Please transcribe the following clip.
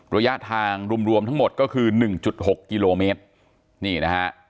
ระยะทางรวมทั้งหมดก็คือ๑๖กิโลเมตรนี่นะฮะ